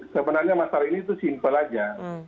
sebenarnya masalah ini itu simpel aja